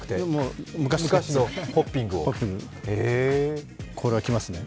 昔のやつ、ホッピング、これはきますね。